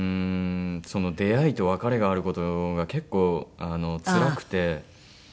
出会いと別れがある事が結構つらくて。